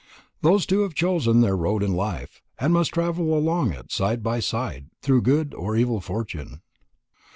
Those two have chosen their road in life, and must travel along it, side by side, through good or evil fortune.